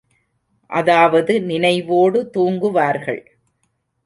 அதாவது நினைவோடு தூங்குவார்கள்.